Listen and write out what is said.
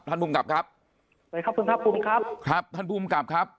โดยครับครับครับท่านภูมิกรรมครับถ้าเกิดขึ้นท่านภูมิกรรมครับ